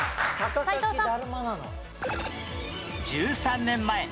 斎藤さん。